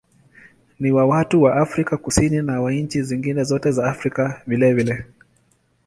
Ni wa watu wa Afrika Kusini na wa nchi nyingine zote za Afrika vilevile.